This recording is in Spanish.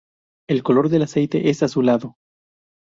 El color del aceite es azulado.